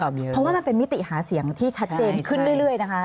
เพราะว่ามันเป็นมิติหาเสียงที่ชัดเจนขึ้นเรื่อยนะคะ